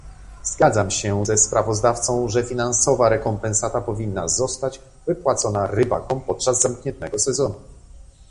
Zgadzam się ze sprawozdawcą, że finansowa rekompensata powinna zostać wypłacona rybakom podczas zamkniętego sezonu